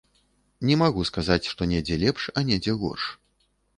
Не магу сказаць, што недзе лепш, а недзе горш.